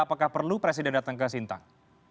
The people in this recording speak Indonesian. apakah perlu presiden datang ke sintang